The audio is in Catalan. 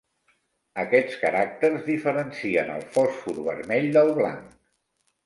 Aquests caràcters diferencien el fòsfor vermell del blanc.